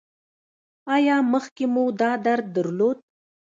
ایا مخکې مو دا درد درلود؟